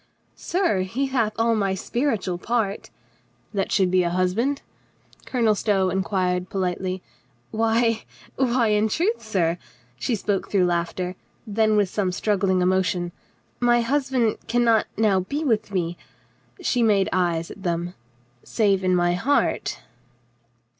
"Sir, he hath all my spiritual part —" "That should be a husband?" Colonel Stow in quired politely. "Why — why in truth, sir," she spoke through laughter — then with some struggling emotion — "my husband can not now be with me"' — she made eyes at them — "save in my heart."